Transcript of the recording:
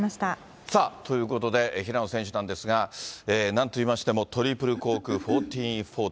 さあ、ということで、平野選手なんですが、なんといいましても、トリプルコーク１４４０。